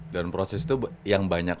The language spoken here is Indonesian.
dan proses itu yang banyak